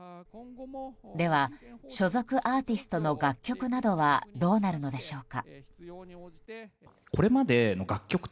では、所属アーティストの楽曲などはどうなるのでしょうか。